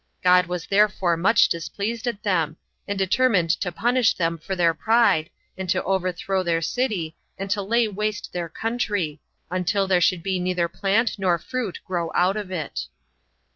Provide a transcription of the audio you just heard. God was therefore much displeased at them, and determined to punish them for their pride, and to overthrow their city, and to lay waste their country, until there should neither plant nor fruit grow out of it.